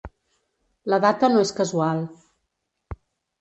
La data no és casual.